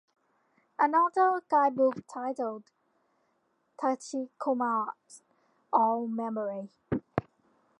Another guidebook titled "Tachikoma's All Memory".